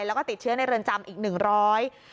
แล้วก็ติดเชื้อในเรือนจำอีก๑๐๐ราย